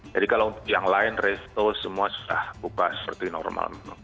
jadi kalau yang lain resto semua sudah buka seperti normal